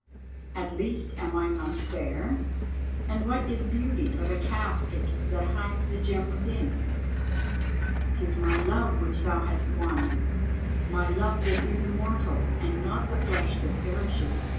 At the least am I not fair? And what is beauty but a casket that hides the gem within? 'Tis my love which thou hast won, my love that is immortal, and not the flesh that perishes.